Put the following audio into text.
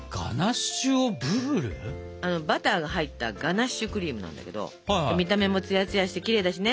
バターが入ったガナッシュクリームなんだけど見た目もツヤツヤしてきれいだしね。